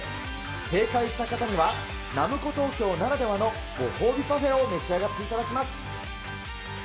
正解した方には、ナムコトーキョーならではの、ご褒美パフェを召し上がっていただきます。